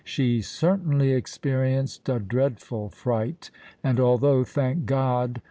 "She certainly experienced a dreadful fright; and although, thank God!